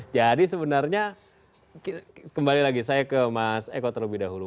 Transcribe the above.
jadi sebenarnya kembali lagi saya ke mas eko terlebih dahulu